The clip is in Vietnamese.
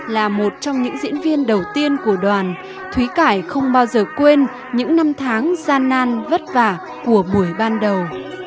là một trong những diễn viên đầu tiên của đoàn thúy cải không bao giờ quên những năm tháng gian nan vất vả của buổi ban đầu